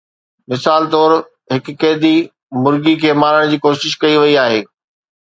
مثال طور، هڪ قيدي مرغي کي مارڻ جي ڪوشش ڪئي وئي آهي